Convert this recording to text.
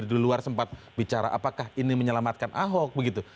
di luar sempat bicara apakah ini menyelamatkan ahok begitu